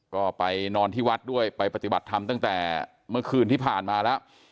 ก็ไปนอนที่วัดด้วยไปปฏิบัติธรรมตั้งแต่เมื่อคืนที่ผ่านมาแล้ว